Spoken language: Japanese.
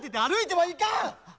はい。